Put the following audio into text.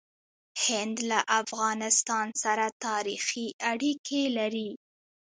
هند له افغانستان سره تاریخي اړیکې لري.